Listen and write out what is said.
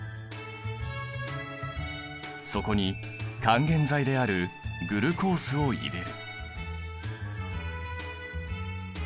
そこに還元剤であるグルコースを入れる。